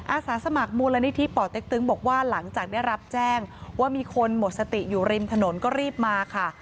อาสาสมัครมูลนิธิป่อเต็กตึงบอกว่าหลังจากได้รับแจ้งว่ามีคนหมดสติอยู่ริมถนนก็รีบมาค่ะ